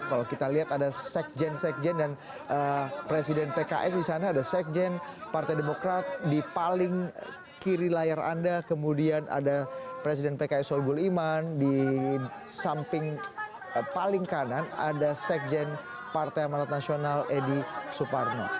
kalau kita lihat ada sekjen sekjen dan presiden pks di sana ada sekjen partai demokrat di paling kiri layar anda kemudian ada presiden pks soebul iman di samping paling kanan ada sekjen partai amanat nasional edi suparno